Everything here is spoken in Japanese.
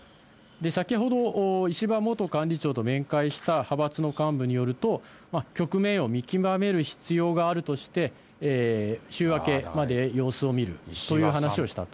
先ほど、石破元幹事長と面会した派閥の幹部によると、局面を見極める必要があるとして、週明けまで様子を見るという話をしたと。